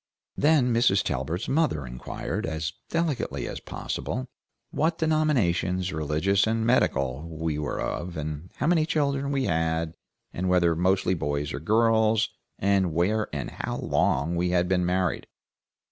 Then Mrs. Talbert's mother inquired, as delicately as possible, what denominations, religious and medical, we were of, how many children we had, and whether mostly boys or girls, and where and how long we had been married.